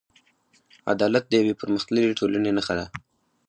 عدالت د یوې پرمختللې ټولنې نښه ده.